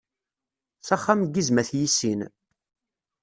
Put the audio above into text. S axxam n yizem ad t-yissin.